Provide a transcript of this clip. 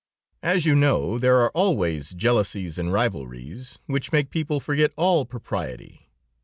"As you know, there are always jealousies and rivalries, which make people forget all propriety.